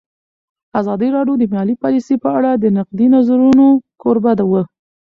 ازادي راډیو د مالي پالیسي په اړه د نقدي نظرونو کوربه وه.